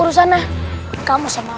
tolong aku bersama